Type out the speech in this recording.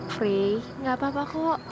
frey enggak apa apa kok